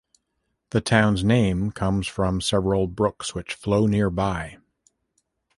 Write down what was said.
The town's name comes from the several brooks which flow nearby.